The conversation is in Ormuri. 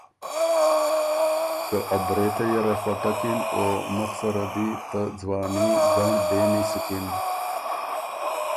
که ا برېتیه ره خؤټکِن او مُخ زره دی ته ځوانی ګںړ دېنی سُکِن۔